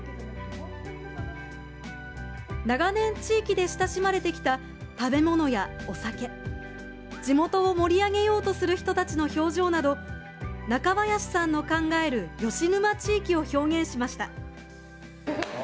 長年、地域で親しまれてきた食べ物やお酒地元を盛り上げようとする人たちの表情など中林さんの考える吉沼地域を表現しました。